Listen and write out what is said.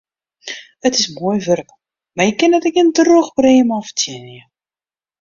It is moai wurk, mar je kinne der gjin drûch brea mei fertsjinje.